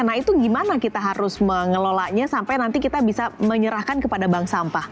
nah itu gimana kita harus mengelolanya sampai nanti kita bisa menyerahkan kepada bank sampah